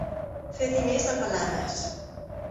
Fer diners a palades.